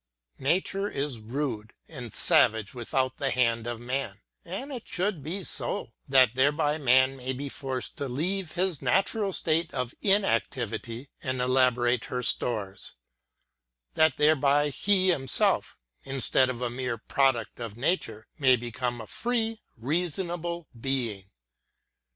Nature is rude and savage without the hand of man : and it should be so, that thereby man may be forced to leave his natural state of inactivity, and elaborate her stores; that thereby he himself, instead of a mere product of nature, may become a free reasonable being.